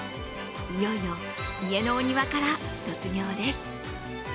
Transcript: いよいよ家のお庭から卒業です。